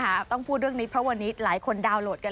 ชีวิตกระมวลวิสิทธิ์สุภาณีขวดชภัณฑ์